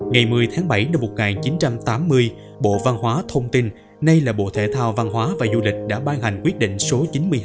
ngày một mươi tháng bảy năm một nghìn chín trăm tám mươi bộ văn hóa thông tin nay là bộ thể thao văn hóa và du lịch đã ban hành quyết định số chín mươi chín